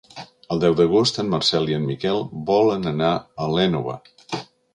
El deu d'agost en Marcel i en Miquel volen anar a l'Énova.